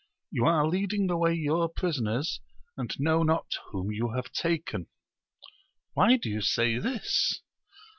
You are leading away your prisoners, and know not whom you have taken. — ^Why do you say this